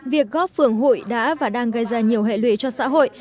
việc góp phưởng hụi đã và đang gây ra nhiều hệ lụy cho xã hội